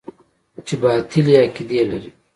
چې باطلې عقيدې لري.